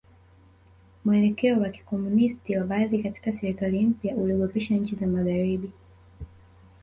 Mwelekeo wa Kikomunisti wa baadhi katika serikali mpya uliogopesha nchi za Magharibi